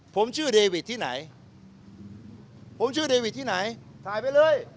ผมชื่อเดวิดที่ไหนผมชื่อเดวิดที่ไหนถ่ายไปเลย